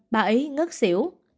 bà ấy ngớt xỉu